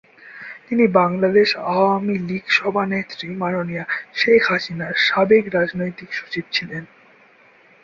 তিনি বাংলাদেশ আওয়ামী লীগ সভানেত্রী মাননীয় শেখ হাসিনার সাবেক রাজনৈতিক সচিব ছিলেন।